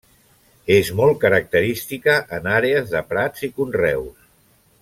És molt característica en àrees de prats i conreus.